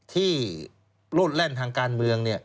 ที่โลดแล่นทางการเมือง